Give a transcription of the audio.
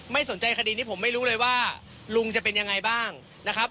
สนใจคดีนี้ผมไม่รู้เลยว่าลุงจะเป็นยังไงบ้างนะครับ